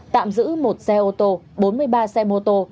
tạm giữ một xe ô tô bốn mươi ba xe mô tô